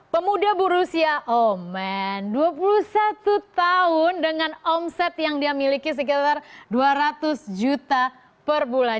pemuda berusia oman dua puluh satu tahun dengan omset yang dia miliki sekitar dua ratus juta per bulan